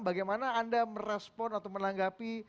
bagaimana anda merespon atau menanggapi